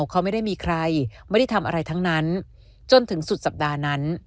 เขาไม่ได้มีใครไม่ได้ทำอะไรทั้งนั้นจนถึงสุดสัปดาห์นั้น